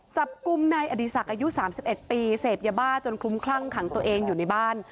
จับกลุ่มนายอดีศักดิ์อายุ๓๑ปีเสพยาบ้าจนคลุ้มคลั่งขังตัวเองอยู่ในบ้าน